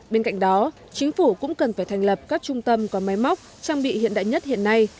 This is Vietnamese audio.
bên cạnh đó chính phủ cũng cần phải thành lập các trung tâm có máy móc trang bị hiện đại nhất hiện nay